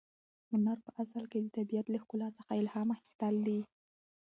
هنر په اصل کې د طبیعت له ښکلا څخه الهام اخیستل دي.